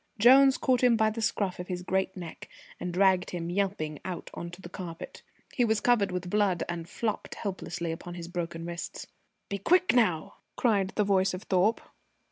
Jones caught him by the scruff of his great neck and dragged him yelping out on to the carpet. He was covered with blood, and flopped helplessly upon his broken wrists. "Be quick now!" cried the voice of Thorpe.